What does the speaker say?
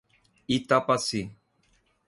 Itapaci